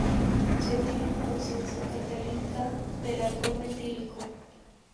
Se obtiene por oxidación catalítica del alcohol metílico.